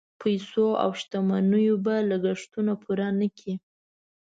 پیسو او شتمنیو به لګښتونه پوره نه کړي.